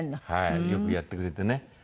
よくやってくれてね。